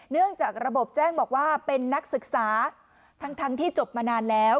เนื่องจากระบบแจ้งบอกว่าเป็นนักศึกษาทั้งที่จบมานานแล้ว